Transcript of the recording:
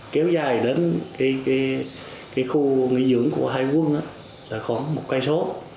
kéo dài đến cái khu nghỉ dưỡng của hai quân là khoảng một cây số